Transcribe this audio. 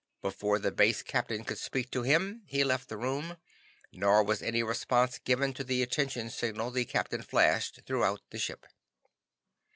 Before the Base Captain could speak to him he left the room, nor was any response given to the attention signal the Captain flashed throughout the ship.